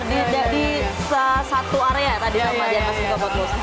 jadi itu ada di satu area ya tadi sama giant pacific octopus